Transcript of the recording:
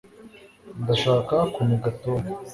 ndashaka kuniga tom